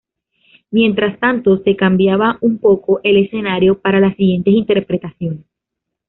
Mientras tanto, se cambiaba un poco el escenario para las siguientes interpretaciones.